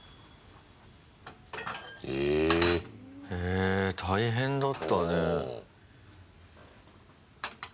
え、大変だったね。